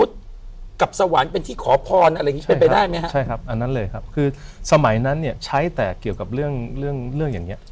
แต่ที่น่าสนใจคือลองสังเกต